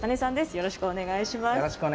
よろしくお願いします。